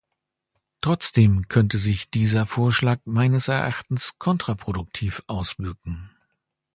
Trotzdem könnte sich dieser Vorschlag meines Erachtens kontraproduktiv auswirken.